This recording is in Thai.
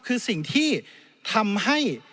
คือสิ่งที่ทำให้